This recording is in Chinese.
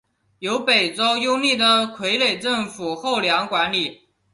由北周拥立的傀儡政权后梁管理。